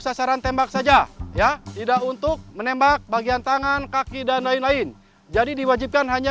sasaran tembak saja ya tidak untuk menembak bagian tangan kaki dan lain lain jadi diwajibkan hanya